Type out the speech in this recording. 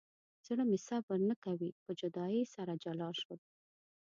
زړه مې صبر نه کوي په جدایۍ سره جلا شول.